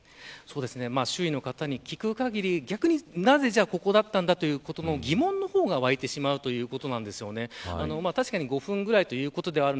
周囲の方に聞く限り逆に、なぜここだったんだという疑問の方が湧いてしまうということなんです。